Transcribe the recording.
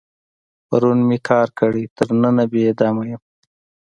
پرون مې کار کړی، تر ننه بې دمه یم.